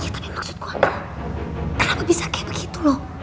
tapi maksud gue kenapa bisa kayak begitu loh